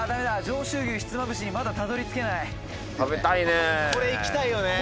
「上州牛ひつまぶしにまだたどり着けない」「食べたいね」